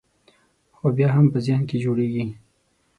خو بیا هم په ذهن کې جوړېږي.